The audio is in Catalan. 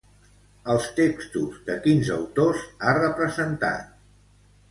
Els textos de quins autors ha representat?